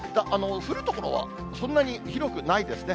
降る所はそんなに広くないですね。